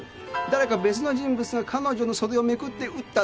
誰か別の人物が彼女の袖をめくって打ったんです。